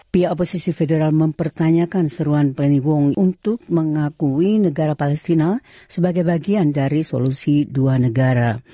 pihak oposisi federal mempertanyakan seruan planning wong untuk mengakui negara palestina sebagai bagian dari solusi dua negara